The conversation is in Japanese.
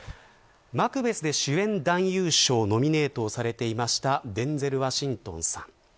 マクベスで主演男優賞にノミネートされていたデンゼル・ワシントンさん。